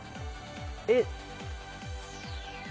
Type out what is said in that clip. えっ。